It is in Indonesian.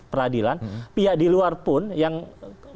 pihak di luar pun yang melakukan persidangan